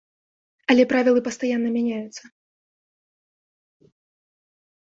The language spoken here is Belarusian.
Але правілы пастаянна мяняюцца.